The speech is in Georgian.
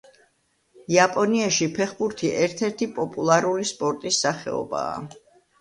იაპონიაში ფეხბურთი ერთ-ერთი პოპულარული სპორტის სახეობაა.